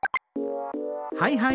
はいはい